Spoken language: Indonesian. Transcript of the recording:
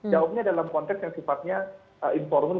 jawabnya dalam konteks yang sifatnya informal